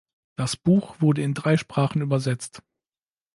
Das Buch wurde in drei Sprachen übersetzt.